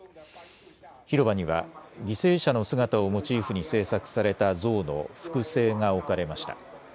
広場には犠牲者の姿をモチーフに制作された像の複製が置かれました。